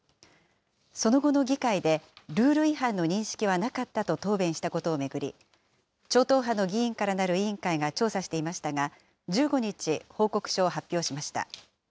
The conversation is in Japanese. その後の議会で、ルール違反の認識はなかったと答弁したことを巡り、超党派の議員からなる委員会が調査していましたが、１５日、報告書を発表しました。